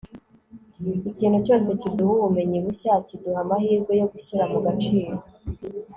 ikintu cyose kiduha ubumenyi bushya kiduha amahirwe yo gushyira mu gaciro